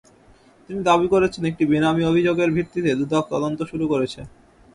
তিনি দাবি করেছেন, একটি বেনামি অভিযোগের ভিত্তিতে দুদক তদন্ত শুরু করেছে।